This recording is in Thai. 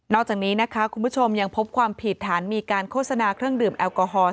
จากนี้นะคะคุณผู้ชมยังพบความผิดฐานมีการโฆษณาเครื่องดื่มแอลกอฮอล